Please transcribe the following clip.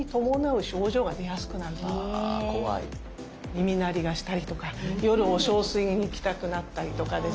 耳鳴りがしたりとか夜お小水に行きたくなったりとかですね